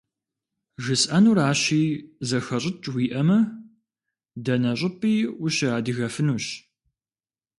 ЖысӀэнуращи, зэхэщӀыкӀ уиӀэмэ, дэнэ щӀыпӀи ущыадыгэфынущ.